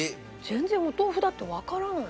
全然お豆腐だってわからない。